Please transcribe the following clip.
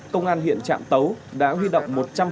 công an huyện trạm tấu đã huy động